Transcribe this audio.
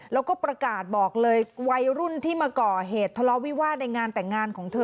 แล้วก็ประกาศบอกเลยวัยรุ่นที่มาก่อเหตุทะเลาะวิวาสในงานแต่งงานของเธอ